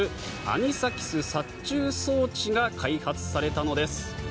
アニサキス殺虫装置が開発されたのです。